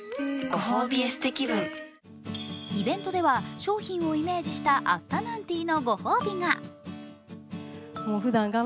イベントでは商品をイメージしたアフタヌーンティーのご褒美が。